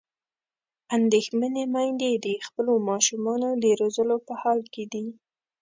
اندېښمنې میندې د خپلو ماشومانو د روزلو په حال کې دي.